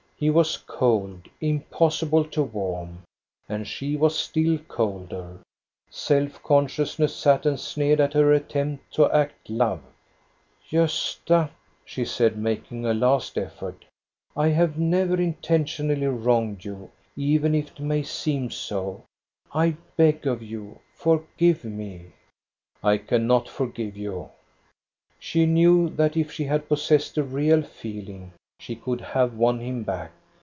He was cold, impossible to warm, and she was still colder. Self consciousness sat and sneered at her attempt to act love. " Gosta," she said, making a last effort, " I have never intentionally wronged you, even if it may seem so. I beg of you, forgive me !"I cannot forgive you." She knew that if she had possessed a real feeling she could have won him back.